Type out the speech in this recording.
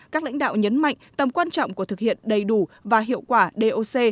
các lãnh đạo nhấn mạnh tầm quan trọng của thực hiện đầy đủ và hiệu quả doc